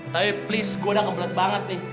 tapi please gue udah keberet banget nih